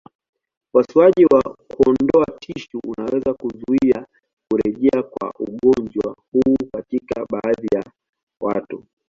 Upasuaji wa kuondoa tishu unaweza kuzuia kurejea kwa ugonjwa huu katika baadhi ya watu.